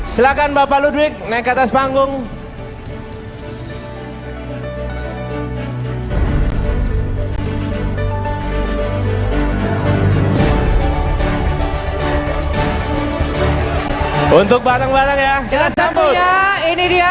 silahkan bapak ludwig naik ke atas panggung untuk bareng bareng ya kita sambung ya ini dia